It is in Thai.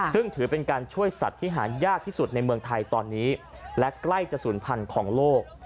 ซึ่งถือเป็นการช่วยสัตว์ที่หายากที่สุดในเมืองไทยตอนนี้และใกล้จะศูนย์พันธุ์ของโลก